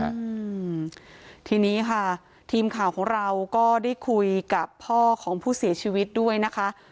อืมทีนี้ค่ะทีมข่าวของเราก็ได้คุยกับพ่อของผู้เสียชีวิตด้วยนะคะ